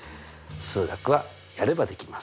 数学はやればできます！